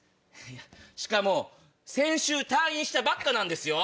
しかも先週退院したばっかなんですよ。